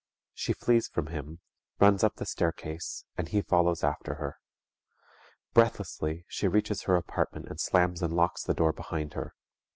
She flees from him, runs up the staircase, and he follows after her. Breathlessly she reaches her apartment and slams and locks the door behind her.